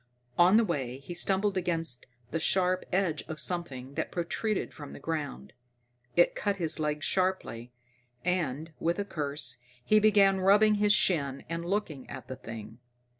On the way, he stumbled against the sharp edge of something that protruded from the ground. It cut his leg sharply, and, with a curse, he began rubbing his shin and looking at the thing.